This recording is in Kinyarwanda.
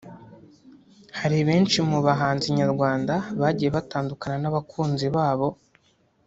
Hari benshi mu bahanzi nyarwanda bagiye batandukana n’abakunzi babo